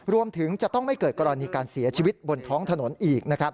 รวมถึงจะต้องไม่เกิดกรณีการเสียชีวิตบนท้องถนนอีก